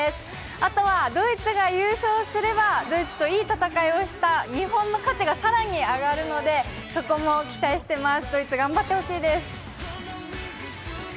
あとはドイツが優勝すれば、ドイツといい戦いをした日本の価値がさらに上がるので、そこも期待しています。